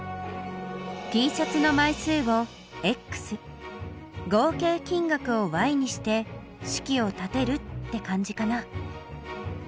Ｔシャツの枚数を合計金額をにして式を立てるって感じかな。